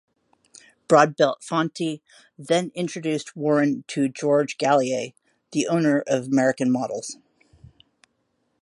Broadbelt Fonte then introduced Warren to George Gallier, the owner of American Models.